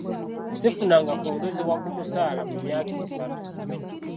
Sifunanga kwongezebwa ku musaala mu myaka esatu.